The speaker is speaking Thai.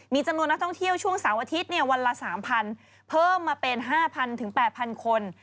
มีจำนวนนักท่องเที่ยวช่วงเสาร์อาทิตย์วันละ๓๐๐เพิ่มมาเป็น๕๐๐๘๐๐คน